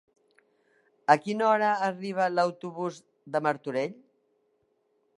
A quina hora arriba l'autobús de Martorell?